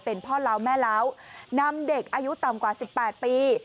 เป็นพ่อเล้าแม่เล้านำเด็กอายุต่ำกว่า๑๘ปี